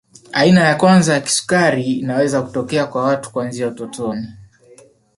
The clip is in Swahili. Aina ya kwanza ya kisukari inaweza kutokea kwa watu kuanzia utotoni